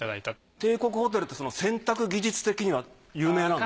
帝国ホテルって洗濯技術的には有名なんですか？